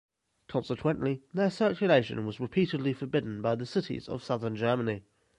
Consequently their circulation was repeatedly forbidden by the cities of Southern Germany.